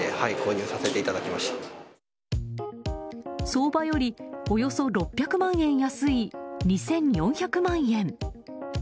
相場よりおよそ６００万円安い２４００万円。